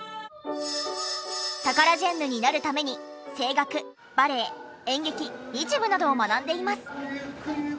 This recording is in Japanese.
タカラジェンヌになるために声楽バレエ演劇日舞などを学んでいます。